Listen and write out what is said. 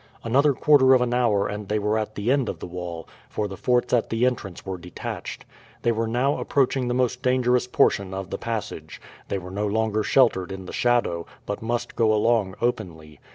Another quarter of an hour and they were at the end of the wall, for the forts at the entrance were detached. They were now approaching the most dangerous portion of the passage; they were no longer sheltered in the shadow, but must go along openly.